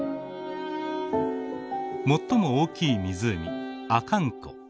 最も大きい湖阿寒湖。